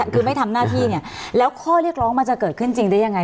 คือไม่ทำหน้าที่เนี่ยแล้วข้อเรียกร้องมันจะเกิดขึ้นจริงได้ยังไง